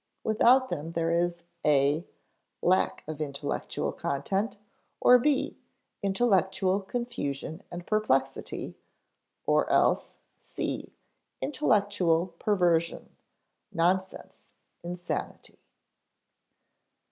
Without them there is (a) lack of intellectual content, or (b) intellectual confusion and perplexity, or else (c) intellectual perversion nonsense, insanity.